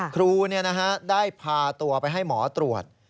ครูได้พาตัวไปให้หมอตรวจ